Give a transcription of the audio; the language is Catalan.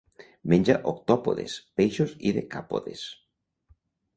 Menja octòpodes, peixos i decàpodes.